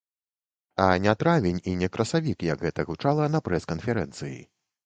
А не травень і не красавік, як гэта гучала на прэс-канферэнцыі.